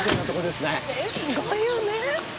すごいよね。